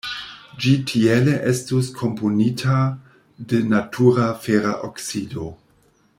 Ĝi tiele estus komponita de natura fera oksido.